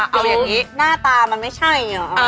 เอาอย่างนี้หน้าตามันไม่ใช่เหรอ